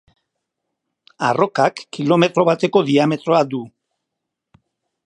Arrokak kilometro bateko diametroa du.